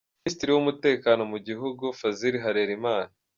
Minisitiri w’Umutekano mu Gihugu Fazil Harerimana